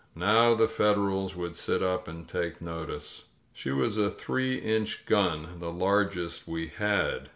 Now the Federals would sit up and take notice. She was a three inch gun — ^the largest we had.